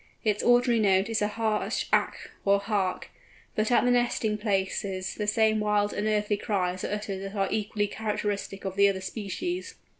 Its ordinary note is a harsh ak or hark; but at the nesting places the same wild unearthly cries are uttered that are equally characteristic of the other species.